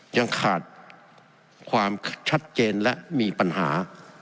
ยังขาดความชัดเจนและมีปัญหา